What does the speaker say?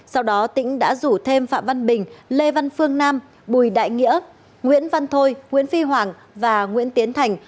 sau đó tỉnh đã rủ thêm phạm văn bình lê văn phương nam bùi đại nghĩa nguyễn văn thôi nguyễn phi hoàng và nguyễn tiến thành